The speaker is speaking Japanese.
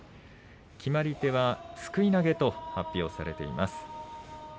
決まり手は、すくい投げと発表されています。